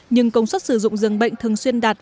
nhưng công suất sử dụng dường bệnh thường xuyên đạt